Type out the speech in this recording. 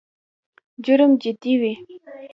جرم جدي وي.